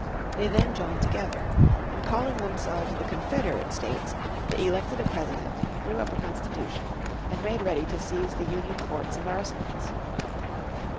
They then joined together. And calling themselves the Confederate States, they elected a President, drew up a Constitution, and made ready to seize the Union forts and arsenals.